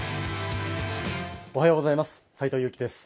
おはようございます。